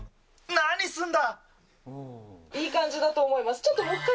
何すんだ。